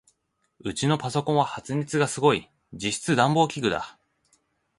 ウチのパソコンは発熱がすごい。実質暖房器具だ。